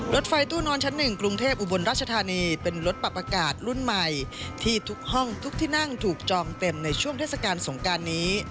รถไฟตู้นอนชั้น๑กรุงเทพอุบลราชธานีเป็นรถปรับอากาศรุ่นใหม่ที่ทุกห้องทุกที่นั่งถูกจองเต็มในช่วงเทศกาลสงการนี้